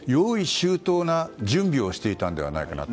周到な準備をしていたのではないかなと。